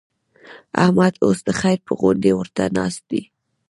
احمد اوس د خير پر غونډۍ ورته ناست دی.